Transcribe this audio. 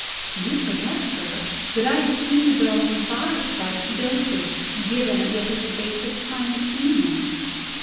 "You forget, sir, that I had seen the dog revived by two doses, given with a space of time between them."